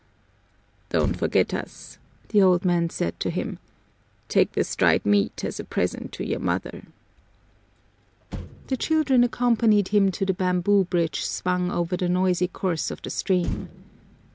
"Don't forget us," the old man said to him. "Take this dried meat as a present to your mother." The children accompanied him to the bamboo bridge swung over the noisy course of the stream.